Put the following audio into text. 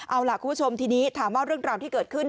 เอาล่ะคุณผู้ชมทีนี้ถามว่าเรื่องราวที่เกิดขึ้น